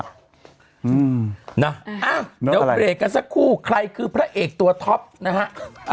เดี๋ยวเบรกกันสักครู่ใครคือพระเอกตัวท็อปนะฮะ